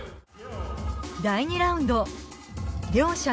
第２ラウンド両者